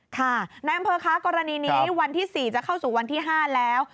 ค่ะนายอำเภอคะกรณีนี้วันที่๔จะเข้าสู่วันที่๕แล้ว